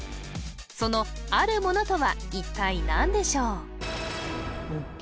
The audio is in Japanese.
そのあるものとは一体何でしょう？